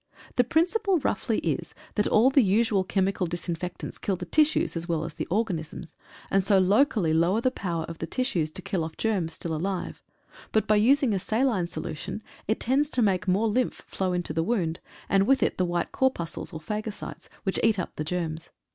The principle roughly is, that all the usual chemical disinfectants kill the tissues as well as the organisms, and so locally lower the power of the tissues to kill off germs still alive, but by using a saline solution, it tends to make more lymph flow into the wound, and with it the white corpuscles, or phagocytes, which eat up the germs.